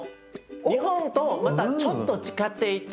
日本とまたちょっと違っていて。